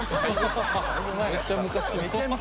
めっちゃ昔。